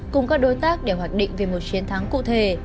cùng các đối tác để hoạch định về một chiến thắng cụ thể